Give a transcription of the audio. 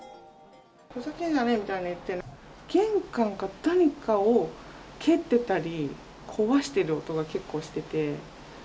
ふざけんじゃねえみたいに言ってて、玄関か何かを蹴ってたり、壊してる音が結構してて。